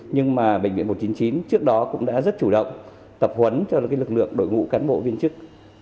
nhưng mà bệnh viện một trăm chín mươi chín trước đó cũng đã rất chủ động tập huấn cho lực lượng đội ngũ cán bộ viên chức